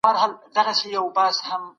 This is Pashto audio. ځکه لغوی ورته والی ډیر لیدل کیږی.